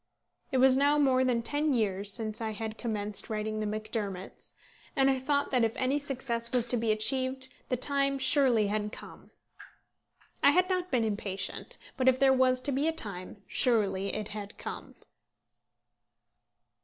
It was now more than ten years since I had commenced writing The Macdermots, and I thought that if any success was to be achieved, the time surely had come. I had not been impatient; but, if there was to be a time, surely it had come.